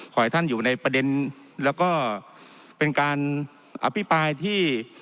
ขอให้ท่านอยู่ในประเด็นแล้วก็เป็นการอภิปรายที่